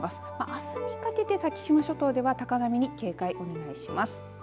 あすにかけて先島諸島では高波に警戒をお願いします。